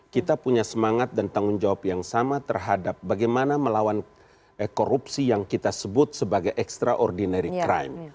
kita punya semangat dan tanggung jawab yang sama terhadap bagaimana melawan korupsi yang kita sebut sebagai extraordinary crime